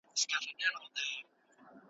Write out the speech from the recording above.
که موږ په پښتو وغږیږو، نو اړیکې به قوی سي.